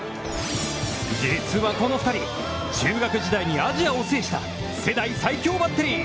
実はこの２人、中学時代にアジアを制した、世代最強バッテリー。